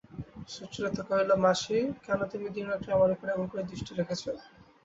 সুচরিতা কহিল, মাসি, কেন তুমি দিনরাত্রি আমার উপরে এমন করে দৃষ্টি রেখেছ?